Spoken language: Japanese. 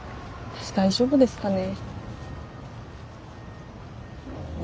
私大丈夫ですかね。